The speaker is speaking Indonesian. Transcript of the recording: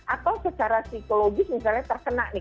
atau secara psikologis misalnya terkena nih